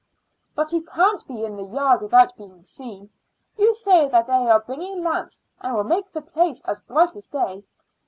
"But he can't be in the yard without being seen; you say that they are bringing lamps and will make the place as bright as day."